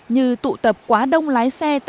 như tụ tập quá đông lái xe